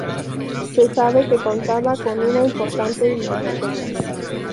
Se sabe que contaba con una importante biblioteca.